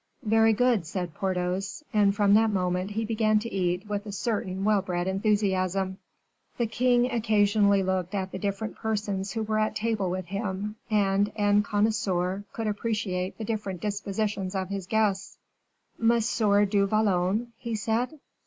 "Very good," said Porthos; and from that moment he began to eat with a certain well bred enthusiasm. The king occasionally looked at the different persons who were at table with him, and, en connoisseur, could appreciate the different dispositions of his guests. "Monsieur du Vallon!" he said.